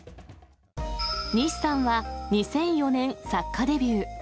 西さんは２００４年、作家デビュー。